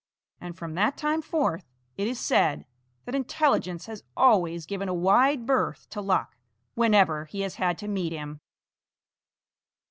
And from that time forth it is said that Intelligence has always given a wide berth to Luck whenever he has had to meet him.